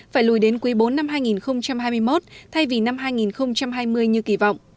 phải lùi đến quý bốn năm hai nghìn hai mươi một thay vì năm hai nghìn hai mươi như kỳ vọng